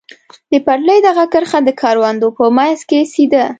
د پټلۍ دغه کرښه د کروندو په منځ کې سیده.